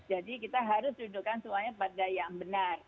jadi kita harus dudukkan semuanya pada yang benar